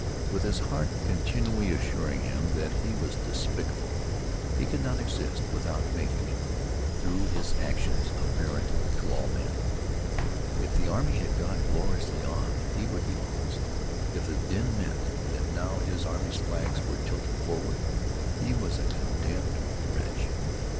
With his heart continually assuring him that he was despicable, he could not exist without making it, through his actions, apparent to all men. If the army had gone gloriously on he would be lost. If the din meant that now his army's flags were tilted forward he was a condemned wretch.